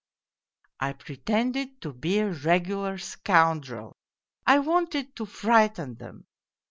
I pretended to be a regular scoun drel, I wanted to frighten them.